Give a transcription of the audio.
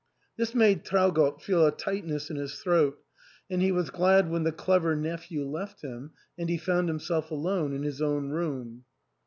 This made Trau gott feel a tightness in his throat, and he was glad when ARTHUR'S HALL. 333 the clever nephew left him, and he found himself alone in his own room.